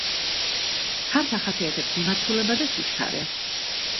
ქარს ახასითებს მიმართულება და სიჩქარე.